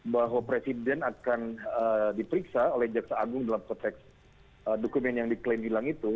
bahwa presiden akan diperiksa oleh jaksa agung dalam konteks dokumen yang diklaim hilang itu